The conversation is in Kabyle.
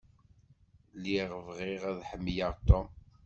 Lliɣ bɣiɣ ad ḥemmleɣ Tom.